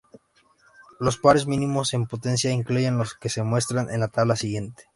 Los pares mínimos en potencia incluyen los que se muestran en la tabla siguiente.